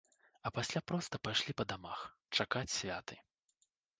А пасля проста пайшлі па дамах, чакаць святы.